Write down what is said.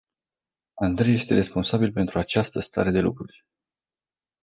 Andrei este responsabil pentru această stare de lucruri.